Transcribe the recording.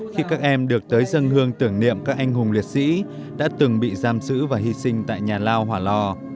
khi các em được tới dân hương tưởng niệm các anh hùng liệt sĩ đã từng bị giam sử và hy sinh tại nhà lao hỏa lò